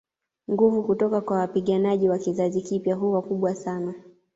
Nguvu kutoka kwa wapiganaji wa kizazi kipya huwa kubwa sana